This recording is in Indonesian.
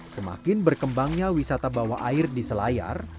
semakin berkembangnya wisata bawah air di selayar